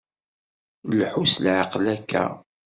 Lḥu s leɛqel akya.